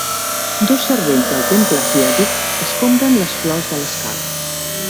Dos servents del temple asiàtic escombren les flors de l'escala